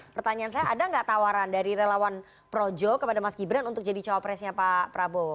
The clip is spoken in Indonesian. pertanyaan saya ada nggak tawaran dari relawan projo kepada mas gibran untuk jadi cawapresnya pak prabowo